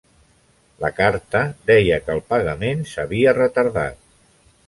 La carta deia que el pagament s'havia retardat.